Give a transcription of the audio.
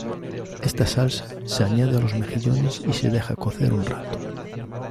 Esta salsa se añade a los mejillones y se deja cocer un rato.